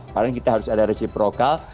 karena kita harus ada resiprokal